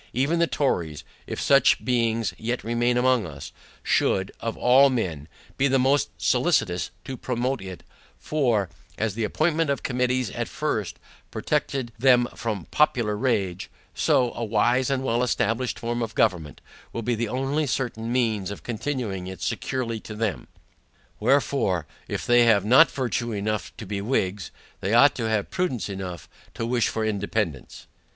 Even the Tories (if such beings yet remain among us) should, of all men, be the most solicitous to promote it; for, as the appointment of committees at first, protected them from popular rage, so, a wise and well established form of government, will be the only certain means of continuing it securely to them. WHEREFORE, if they have not virtue enough to be WHIGS, they ought to have prudence enough to wish for Independance.